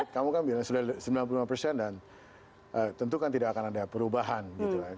kamu kan bilang sudah sembilan puluh lima persen dan tentu kan tidak akan ada perubahan gitu